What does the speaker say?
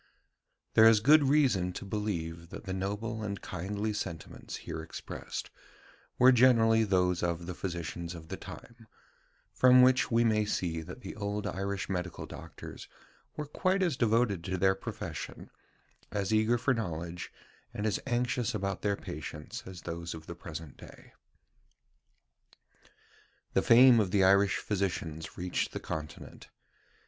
There is good reason to believe that the noble and kindly sentiments here expressed were generally those of the physicians of the time; from which we may see that the old Irish medical doctors were quite as devoted to their profession, as eager for knowledge, and as anxious about their patients as those of the present day. The fame of the Irish physicians reached the Continent.